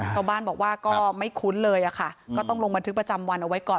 ชาวบ้านบอกว่าก็ไม่คุ้นเลยอะค่ะก็ต้องลงบันทึกประจำวันเอาไว้ก่อน